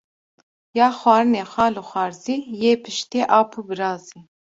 Ya xwarinê xal û xwarzî, yê piştê ap û birazî